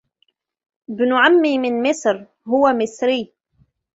ابن عمي من مصر. هو مصري.